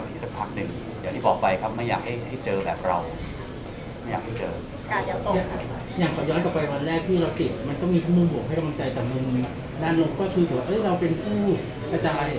ด้านลงก็คือเราเป็นผู้กระจายอะไรอย่างนี้เราน้อยใจแค่ไหนครับ